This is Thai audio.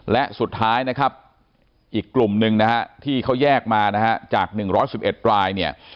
และสุดท้ายนะครับอีกกลุ่มหนึ่งที่เขาแยกมาจาก๑๑๑ราย